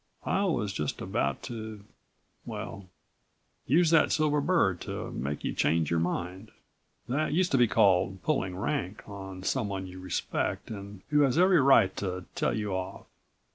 I was just about to well, use that silver bird to make you change your mind. That used to be called 'pulling rank' on someone you respect and who has every right to tell you off.